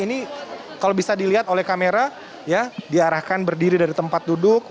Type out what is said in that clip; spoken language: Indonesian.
ini kalau bisa dilihat oleh kamera diarahkan berdiri dari tempat duduk